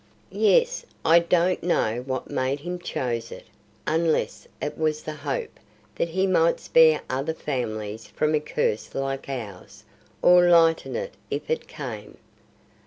"Yes; I don't know what made him choose it, unless it was the hope that he might spare other families from a curse like ours, or lighten it if it came.